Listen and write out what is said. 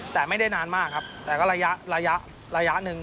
แต่ไม่ได้นานมากครับแต่ก็ระยะระยะหนึ่ง